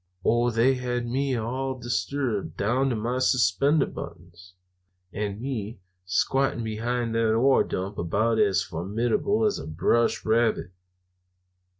Oh, they had me all distributed, down to my suspender buttons! And me squatting behind that ore dump about as formidable as a brush rabbit!